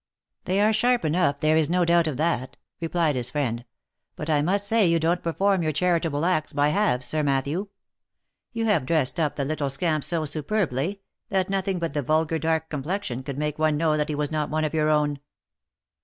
" They are sharp enough, there is no doubt of that," replied his friend, " but I must say you don't perform your charitable acts by halves, Sir Matthew. You have dressed up the little scamp so superbly, that nothing but the vulgar dark complexion could make one know that he was not one of your own."